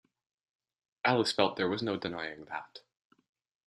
Alice felt there was no denying that.